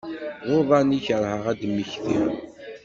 D uḍan i kerheɣ ad d-mmektiɣ.